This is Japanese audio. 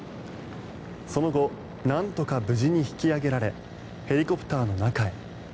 その後なんとか無事に引き上げられヘリコプターの中へ。